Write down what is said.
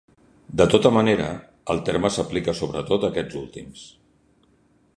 De tota manera, el terme s'aplica sobretot a aquests últims.